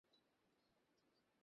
হেই, আমি তোমার কথা বুঝেছি!